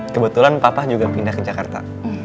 kebetulan papa juga pindah ke jakarta